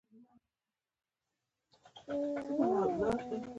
ژوند دې وشي، همداسې او همدومره دې وشي.